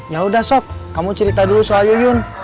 yaudah sob kamu cerita dulu soal yuyun